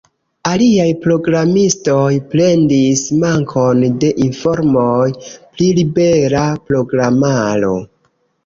Aliaj programistoj plendis mankon de informoj pri libera programaro.